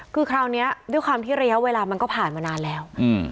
คือคราวนี้ด้วยความที่ระยะเวลามันก็ผ่านมานานแล้ว